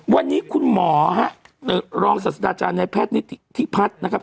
วันนี้คุณหมอฮะรองศาสตราจารย์ในแพทย์นิธิพัฒน์นะครับ